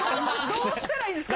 どうしたらいいですか？